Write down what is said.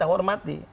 dan kita hormati